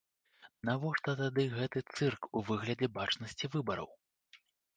Навошта тады гэты цырк у выглядзе бачнасці выбараў?